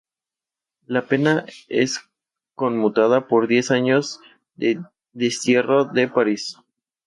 La pena es conmutada por diez años de destierro de París.